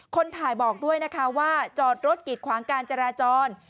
คนถ่ายบอกด้วยนะคะว่าจอดรถกิดขวางการจราจร